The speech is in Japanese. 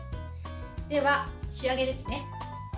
では、仕上げですね。